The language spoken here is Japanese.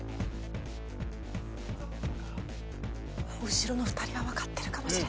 後ろの２人はわかってるかもしれない。